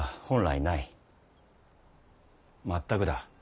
全くだ。